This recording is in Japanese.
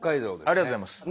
ありがとうございます。